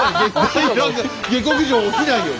下克上起きないように。